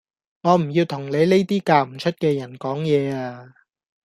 我唔要同你呢啲嫁唔出嘅人講嘢呀